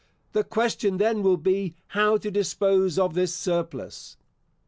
The question then will be, how to dispose of this surplus.